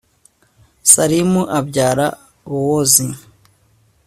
salimu abyara bowozi